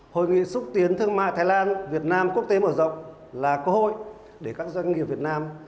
hội nghị xúc tiến thương mại thái lan việt nam quốc tế mở rộng là cơ hội để các doanh nghiệp việt nam